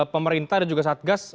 pemerintah dan juga satgas